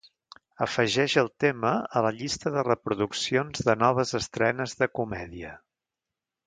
Afegeix el tema a la llista de reproduccions de noves estrenes de comèdia.